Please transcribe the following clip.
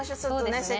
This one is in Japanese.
そうですね。